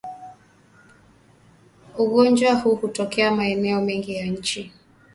Ugonjwa huu hutokea maeneo mengi ya nchi